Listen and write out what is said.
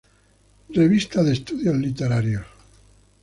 Revista de estudios literarios.